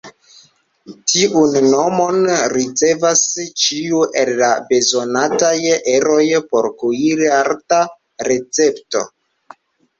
Tiun nomon ricevas ĉiu el la bezonataj eroj por kuir-arta recepto.